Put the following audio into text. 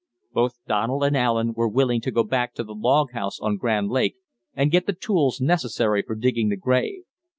Both Donald and Allen were willing to go back to the log house on Grand Lake, and get the tools necessary for digging the grave.